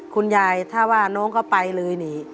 คุณยายถ้าว่าน้องเขาไปเลยนี่